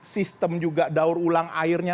sistem juga daur ulang airnya